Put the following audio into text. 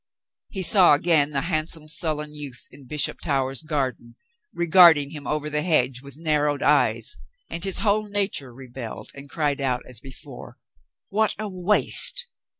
He saw again the handsome sullen youth in Bishop Towers' garden, regarding him over the hedge with narrowed eyes, and his whole nature rebelled and cried out as before, "What a waste